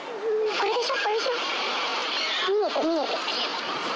これでしょ？